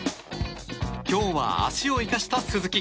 今日は足を生かした鈴木。